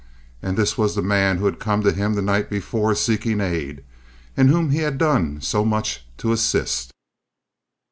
And this was the man who had come to him the night before seeking aid—whom he had done so much to assist.